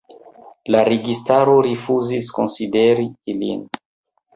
La registaro rifuzis konsideri ilin.